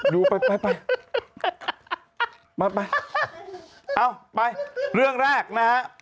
ยังไงนะ